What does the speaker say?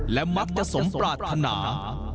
และมักจะสมปรารถนา